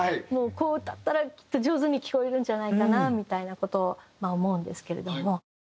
こう歌ったらきっと上手に聞こえるんじゃないかなみたいな事を思うんですけれども。